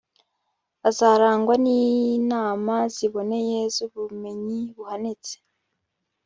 azarangwa n'inama ziboneye n'ubumenyi buhanitse